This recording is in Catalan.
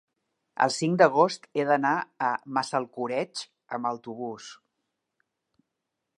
el cinc d'agost he d'anar a Massalcoreig amb autobús.